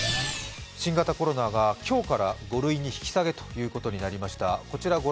新型コロナが今日から５類に引き下げということになりました。